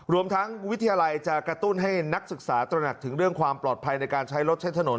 รวมทั้งวิทยาลัยจะกระตุ้นให้นักศึกษาตระหนักถึงเรื่องความปลอดภัยในการใช้รถใช้ถนน